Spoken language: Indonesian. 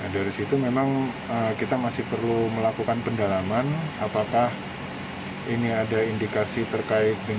dari situ memang kita masih perlu melakukan pendalaman apakah ini ada indikasi terkait dengan